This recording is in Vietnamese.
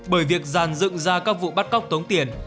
bởi việc dàn dựng ra các vụ bắt cóc tống tiền